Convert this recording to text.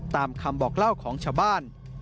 ตามคำบอกเล่าของชาวบ้าน